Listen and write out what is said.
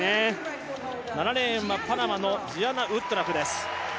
７レーンはパナマのジアナ・ウッドラフです。